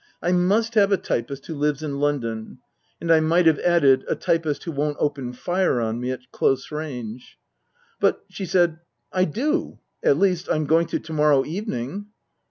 " I must have a typist who lives in London." (And I might have added " a typist who won't open fire on me at close range.") " But," she said, " I do at least, I'm going to to morrow evening."